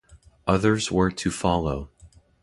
Others were to follow.